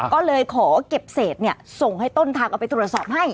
ก็เลยขอเก็บเศษส่งให้ต้นทางเอาไปตรวจสอบให้